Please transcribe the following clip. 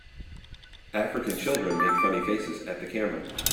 African children make funny faces at the camera.